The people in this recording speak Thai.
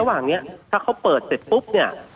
ระหว่างนี้ถ้าเขาเปิดเสร็จปุ๊บเนี่ย